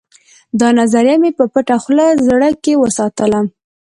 دا نظریه مې په پټه خوله زړه کې وساتله